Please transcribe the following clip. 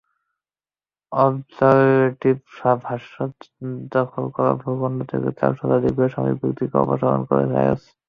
অবজারভেটরির ভাষ্য, দখল করা ভূখণ্ড থেকে চার শতাধিক বেসামরিক ব্যক্তিকে অপহরণ করেছে আইএস।